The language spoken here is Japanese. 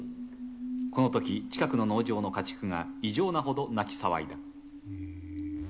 このとき、近くの農場の家畜が異常なほど鳴き騒いだ。